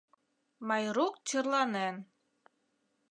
— Майрук черланен.